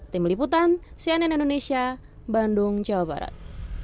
tim liputan cnn indonesia bandung jawa barat